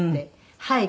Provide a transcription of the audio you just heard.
はい。